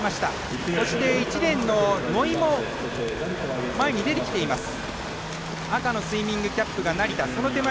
そして１レーンの野井も前に出てきています。